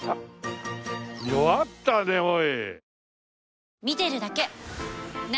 弱ったねおい。